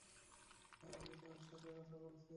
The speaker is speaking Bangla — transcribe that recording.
স্যার, আমি তার সাথে কথা বলছি।